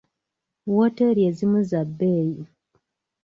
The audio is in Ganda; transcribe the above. Wooteeri ezimu za bbeeyi.